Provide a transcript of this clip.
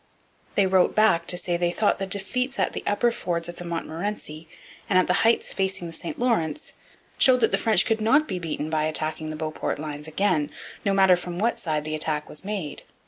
They wrote back to say they thought the defeats at the upper fords of the Montmorency and at the heights facing the St Lawrence showed that the French could not be beaten by attacking the Beauport lines again, no matter from what side the attack was made.